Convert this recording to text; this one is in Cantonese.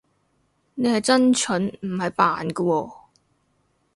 你係真蠢，唔係扮㗎喎